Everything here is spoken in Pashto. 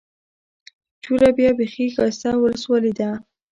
چوره بيا بېخي ښايسته اولسوالي ده.